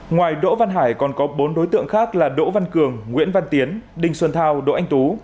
ngoài đỗ văn hải còn có bốn đối tượng khác là đỗ văn cường nguyễn văn tiến đinh xuân thao đỗ anh tú